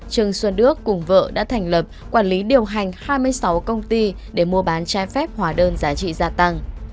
trương xuân đức cùng vợ đã thành lập quản lý điều hành hai mươi sáu công ty để mua bán trái phép hóa đơn giá trị gia tăng